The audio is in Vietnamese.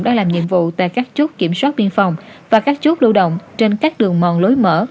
đã làm nhiệm vụ tại các chốt kiểm soát biên phòng và các chốt lưu động trên các đường mòn lối mở